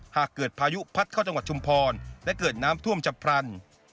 หากเกิดพายุพัดเข้าจังหวัดชุมพรและเกิดน้ำท่วมจับพรรณ